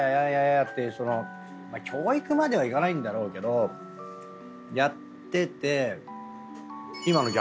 教育まではいかないんだろうけどやってて。